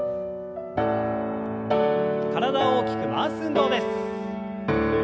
体を大きく回す運動です。